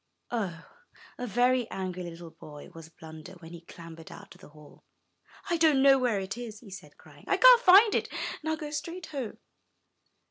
Oh, a very angry little boy was Blunder when he clambered out of the hole. "I don't know where it is," he said, crying; "I can't find it, and I'll go straight home."